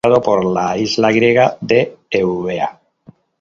Está nombrado por la isla griega de Eubea.